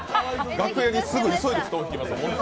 楽屋にすぐ、急いで布団しきます。